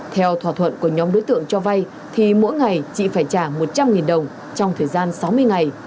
theo thỏa thuận của nhóm đối tượng cho vay thì mỗi ngày chị phải trả một trăm linh đồng trong thời gian sáu mươi ngày